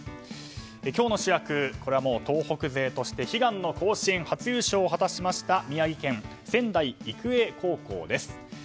今日の主役、東北勢として悲願の甲子園初優勝を果たしました宮城県仙台育英高校です。